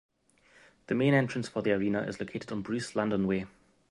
The main entrance for the arena is located on Bruce Landon Way.